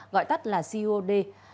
gọi tắt là cod